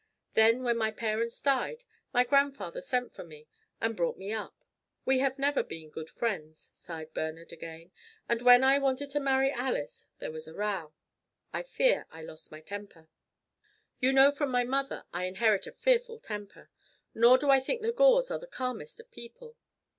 Then when my parents died, my grandfather sent for me, and brought me up. We have never been good friends," sighed Bernard again, "and when I wanted to marry Alice there was a row. I fear I lost my temper. You know from my mother I inherit a fearful temper, nor do I think the Gores are the calmest of people.